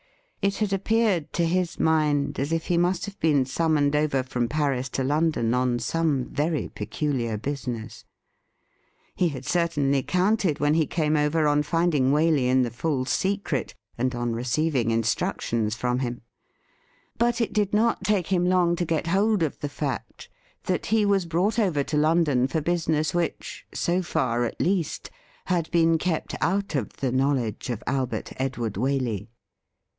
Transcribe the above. It had appeared to his mind as if he must have been summoned over from Paris to London on some very peculiar business. He had certainly counted when he came over on finding Waley in the full secret, and on receiving instructions from him ; but it did not take him long to get hold of the fact that he was brought over to London for business which, so far at least, had been kept out of the knowledge of Albert Edward Waley.